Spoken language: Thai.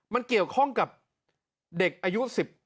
มันเกี่ยวข้องกับเด็กอายุ๑๘